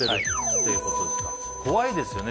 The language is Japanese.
怖いですよね。